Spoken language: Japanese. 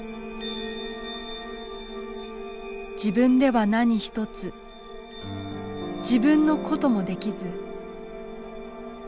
「自分では何ひとつ自分のこともできず。